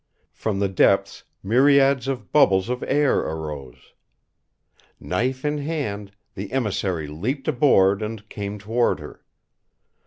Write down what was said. From the depths myriads of bubbles of air arose. Knife in hand, the emissary leaped aboard and came toward her.